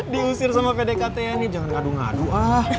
diusir sama pdkt ya ini jangan ngadu ngadu ah